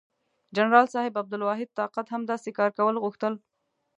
جنرال صاحب عبدالواحد طاقت هم داسې کار کول غوښتل.